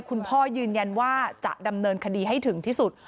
คุณพ่อยืนยันว่าจะดำเนินคดีให้ถึงที่สุด